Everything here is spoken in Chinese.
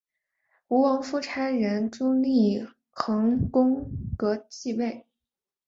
吴王夫差立邾桓公革继位。